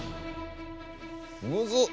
むずっ。